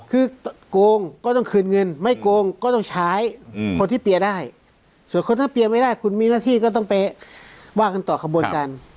คือโกงก็ต้องคืนเงินไม่โกงก็ต้องใช้คนที่เปียร์ได้ส่วนคนถ้าเปียไม่ได้คุณมีหน้าที่ก็ต้องไปว่ากันต่อขบวนการ